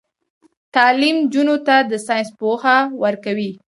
تعلیم نجونو ته د ساينس پوهه ورکوي.